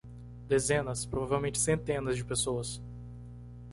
Dezenas, provavelmente centenas de pessoas.